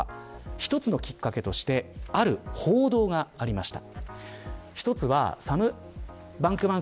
一つのきっかけとしてある報道がありました。